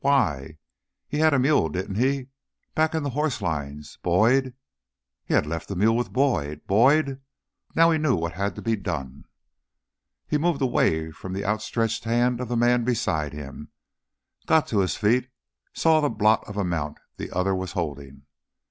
Why? He had a mule, didn't he? Back in the horse lines. Boyd he had left the mule with Boyd. Boyd! Now he knew what had to be done! He moved away from the outstretched hand of the man beside him, got to his feet, saw the blot of a mount the other was holding.